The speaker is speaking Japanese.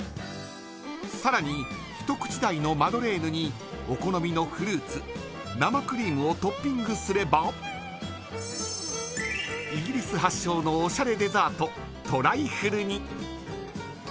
さらに一口大のマドレーヌにお好みのフルーツ生クリームをトッピングすればイギリス発祥のおしゃれデザートトライフルに。